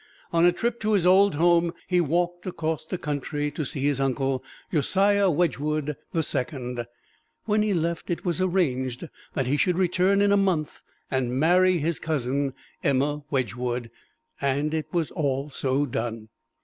On a trip to his old home, he walked across the country to see his uncle, Josiah Wedgwood the Second. When he left it was arranged that he should return in a month and marry his cousin, Emma Wedgwood. And it was all so done.